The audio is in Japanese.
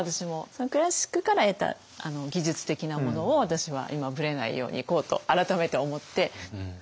そのクラシックから得た技術的なものを私は今ぶれないようにいこうと改めて思って。